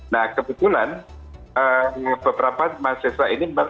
nah kebetulan beberapa mahasiswa ini